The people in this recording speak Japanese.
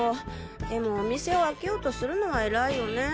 でもお店を開けようとするのは偉いよね。